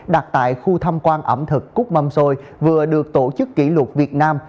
đặt tại khu tham quan ẩm thực cúc mâm xôi vừa được tổ chức kỷ lục việt nam